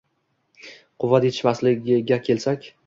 Quvvat etishmasligiga kelsak